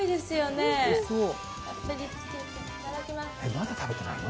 まだ食べてないの？